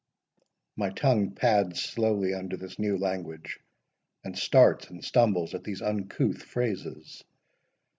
My tongue pads slowly under this new language, And starts and stumbles at these uncouth phrases.